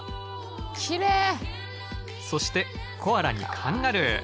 そしてコアラにカンガルー！